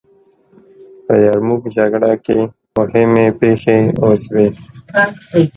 په يرموک جګړه کي مهمې پيښې وشوې.